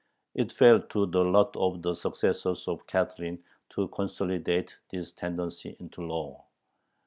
It fell to the lot of the successors of Catherine to consolidate this tendency into law.